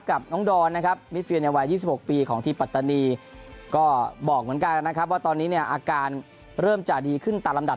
กับน้องดอนนะครับมิสเฟียในวัย๒๖ปีของที่ปัตตานีก็บอกเหมือนกันนะครับว่าตอนนี้เนี่ยอาการเริ่มจะดีขึ้นตามลำดับ